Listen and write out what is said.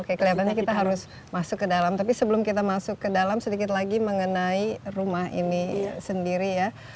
oke kelihatannya kita harus masuk ke dalam tapi sebelum kita masuk ke dalam sedikit lagi mengenai rumah ini sendiri ya